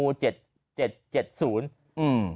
อืม